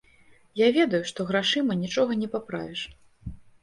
Я ведаю, што грашыма нічога не паправіш.